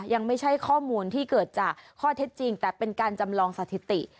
ยังไม่ใช่ข้อมูลที่เกิดจากข้อเท็จจริงแต่เป็นการจำลองสถิติ